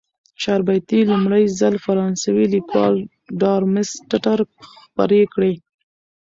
چاربیتې لومړی ځل فرانسوي لیکوال ډارمستتر خپرې کړې.